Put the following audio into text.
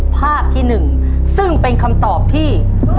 ภาพที่๑ซึ่งเป็นคำตอบที่